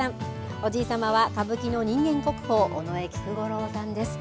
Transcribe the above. おじいさまは歌舞伎の人間国宝尾上菊五郎さんです。